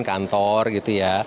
di kantor gitu ya